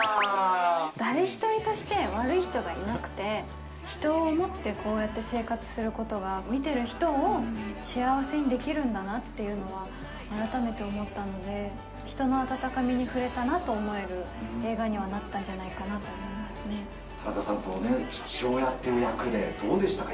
誰一人として悪い人がいなくて、人を思ってこうやって生活することが、見てる人を幸せにできるんだなっていうのは改めて思ったので、人の温かみに触れたなと思える映画にはなったんじゃないかなと思田中さん、父親っていう役で、どうでしたか？